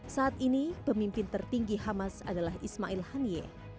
saat ini pemimpin tertinggi hamas adalah ismail hani